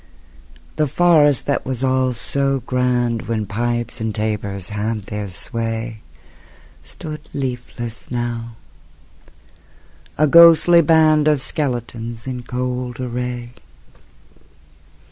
The forest that was all so grand When pipes and tabors had their sway Stood leafless now, a ghostly band Of skeletons in cold array.